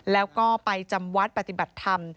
แล้วก็ไปจำวัดปฏิบัติธรรม